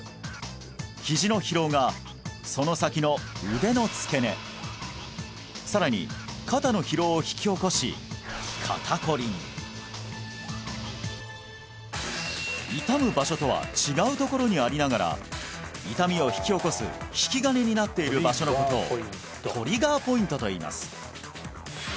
ひじの疲労がその先の腕の付け根さらに肩の疲労を引き起こし肩こりに痛む場所とは違うところにありながら痛みを引き起こす引き金になっている場所のことをトリガーポイントといいます